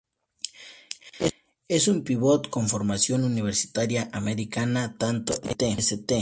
Es un pívot con formación universitaria americana, tanto en St.